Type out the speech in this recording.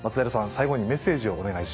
最後にメッセージをお願いします。